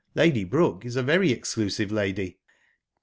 Lady Brooke is a very exclusive lady."